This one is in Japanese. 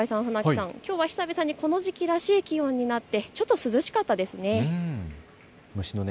高井さん、船木さん久々にこの時期らしい気温になってちょっと涼しかったですね。